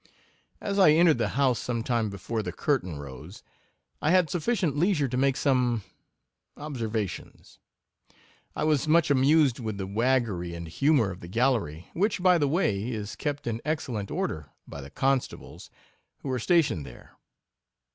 As J entered the house some time before the curtain rose, I had sufficient leisure to make some observations. I was much amused with the waggery and humour of the gallery, which, by the way, is kept in excellent order by the constables who are stationed there.